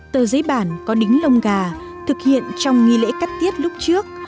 tờ giấy bản có đính lông gà thực hiện trong nghi lễ cắt tiết lúc trước